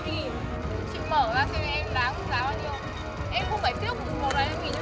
mình giả cho chị ba trăm linh nghìn